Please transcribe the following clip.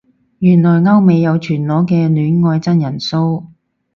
原來歐美有全裸嘅戀愛真人騷